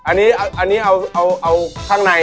อันนี้เอาข้างใน